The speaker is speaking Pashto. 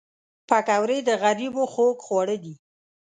پکورې د غریبو خوږ خواړه دي